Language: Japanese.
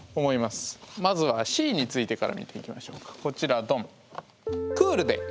まずはＣについてから見ていきましょうかこちらドン。